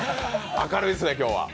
明るいっすね、今日は。